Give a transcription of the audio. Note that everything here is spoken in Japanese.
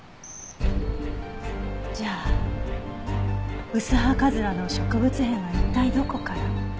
じゃあウスハカズラの植物片は一体どこから？